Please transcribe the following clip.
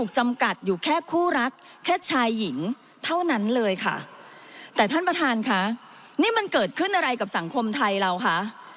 ชายหญิงเท่านั้นเลยค่ะแต่ท่านประธานค่ะนี่มันเกิดขึ้นอะไรกับสังคมไทยเราคะ